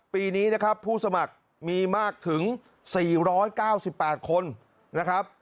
ปีนี้นะครับผู้สมัครมีมากถึง๔๙๘คนนะครับ